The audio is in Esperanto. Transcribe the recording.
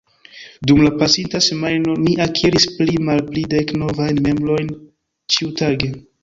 Dum la pasinta semajno ni akiris pli malpli dek novajn membrojn ĉiutage.